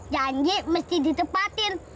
janji mesti ditepatin